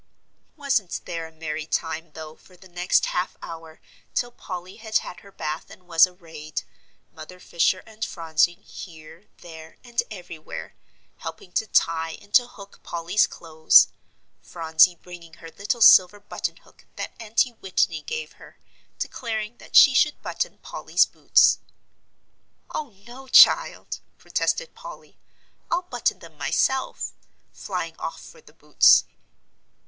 Wasn't there a merry time, though, for the next half hour, till Polly had had her bath, and was arrayed, Mother Fisher and Phronsie here, there, and everywhere, helping to tie and to hook Polly's clothes Phronsie bringing her little silver button hook that Auntie Whitney gave her, declaring that she should button Polly's boots. "Oh, no, child," protested Polly. "I'll button them myself," flying off for the boots.